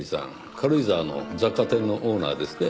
軽井沢の雑貨店のオーナーですね。